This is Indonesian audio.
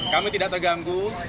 kami tidak terganggu